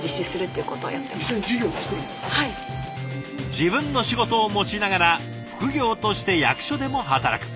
自分の仕事を持ちながら副業として役所でも働く。